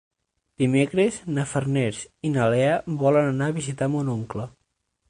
Dimecres na Farners i na Lea volen anar a visitar mon oncle.